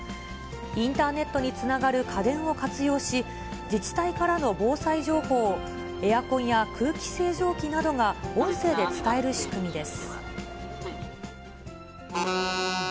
インターネットにつながる家電を活用し、自治体からの防災情報をエアコンや空気清浄機などが音声で伝える仕組みです。